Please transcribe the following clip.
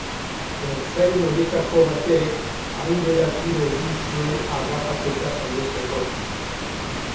Ertzain horietako batek airera tiro egin zuen harrapaketa saihesteko.